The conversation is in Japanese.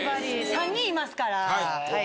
３人いますから。